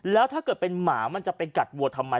แล้วถ้าเกิดเป็นหมามันจะไปกัดวัวทำไม